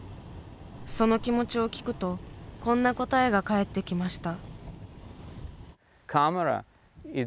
その気持ちを聞くとこんな答えが返ってきました。